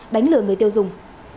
đánh lừa người tiêu dùng